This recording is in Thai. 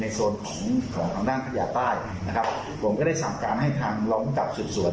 ในโซนของของทางด้านทัศน์ยาวใต้นะครับผมก็ได้สรรค์การให้ทางรองกับส่วนส่วน